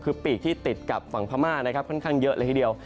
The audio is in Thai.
คือปีกที่ติดกับฝั่งพม่านะครับค่อนข้างเยอะเลยทีเดียว